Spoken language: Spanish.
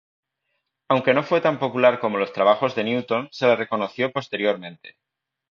Aunque no fue tan popular como los trabajos de Newton, se le reconoció posteriormente.